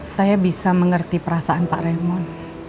saya bisa mengerti perasaan pak remon